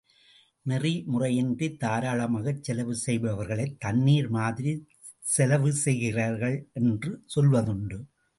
நெறிமுறையின்றித் தாராளமாகச் செலவு செய்பவர்களை தண்ணீர் மாதிரி செலவு செய்கிறார்கள் என்று சொல்வதுண்டு.